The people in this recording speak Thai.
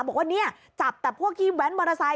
บอกว่าเนี่ยจับแต่พวกขี้แว้นมารสัย